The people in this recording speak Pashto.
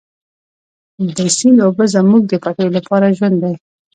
د سیند اوبه زموږ د پټیو لپاره ژوند دی.